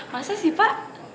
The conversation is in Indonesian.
masa sih pak